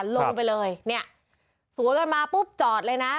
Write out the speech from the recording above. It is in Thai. ลงไปเลยเนี่ยสวนกันมาปุ๊บจอดเลยนะ